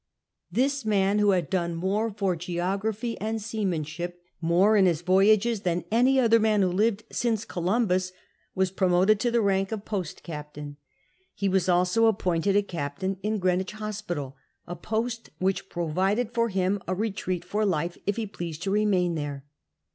Tliis man, who had done for geography and seamanship more CHAP. IX K^.S. 109 in his voyages than any other man who ever lived since Columbus, was promoted to the rank of post captain ; he was also appointed a captain in Green'wich Hospital, a post which provided for him a retreat for life if ho pleased to remain there.